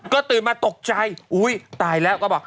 ก็ตื่นมาตกใจอุ๊ยตายแล้วก็บอก